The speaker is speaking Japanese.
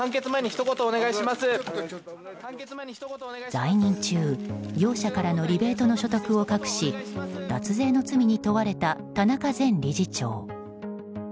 在任中、業者からのリベートの所得を隠し脱税の罪に問われた田中前理事長。